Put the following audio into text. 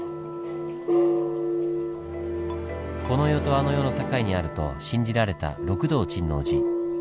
この世とあの世の境にあると信じられた六道珍皇寺。